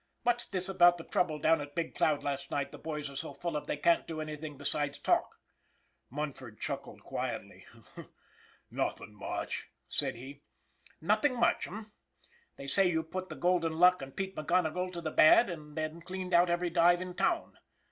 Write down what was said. " What's this about the trouble down at Big Cloud last night the boys are so full of they can't do anything besides talk? " Munford chuckled quietly. " Nothin' much," said he. " Nothing much, eh ? They say you put the " Golden Luck and Pete McGonigle to the bad, and then cleaned out every dive in town.